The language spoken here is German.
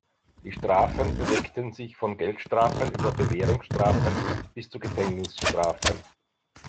Die Strafen bewegten sich von Geldstrafen über Bewährungsstrafen bis zu Gefängnisstrafen.